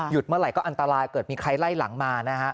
เมื่อไหร่ก็อันตรายเกิดมีใครไล่หลังมานะฮะ